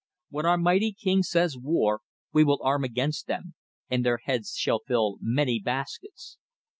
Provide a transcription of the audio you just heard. When our mighty King says war, we will arm against them, and their heads shall fill many baskets.